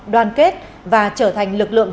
đoàn kết và trở thành lực lượng